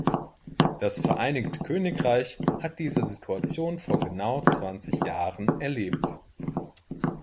Das Vereinigte Königreich hat diese Situation vor genau zwanzig Jahren erlebt.